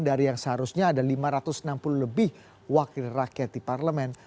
dari yang seharusnya ada lima ratus enam puluh lebih wakil rakyat di parlemen